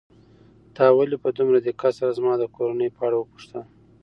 تا ولې په دومره دقت سره زما د کورنۍ په اړه وپوښتل؟